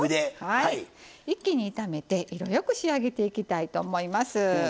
一気に炒めて色よく仕上げていきたいと思います。